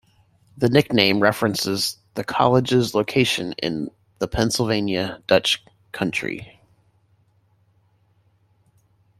The nickname references the college's location in the Pennsylvania Dutch Country.